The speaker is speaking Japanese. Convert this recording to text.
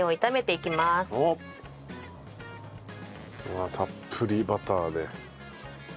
うわあたっぷりバターで。